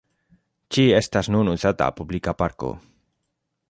Ĝi estas nun uzata publika parko.